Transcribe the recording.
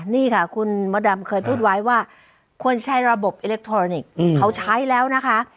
นี่ค่ะคุณมดดำเคยพูดไว้ว่าควรใช้ระบบอิเล็กทรอนิกส์เขาใช้แล้วนะคะ